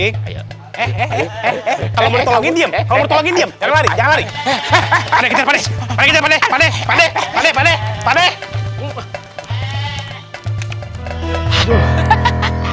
pak deh kita pade